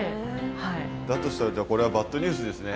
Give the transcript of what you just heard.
だとしたらじゃあこれはバッドニュースですね。